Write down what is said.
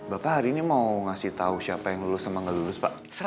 bapak hari ini mau ngasih tahu siapa yang lulus sama nggak lulus pak